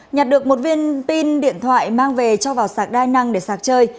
nhặt được một viên pin điện thoại mang về cho vào sạc đa năng để sạc chơi